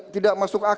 tidak masuk akal